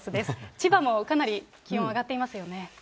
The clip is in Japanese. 千葉もかなり気温上がっていますよね。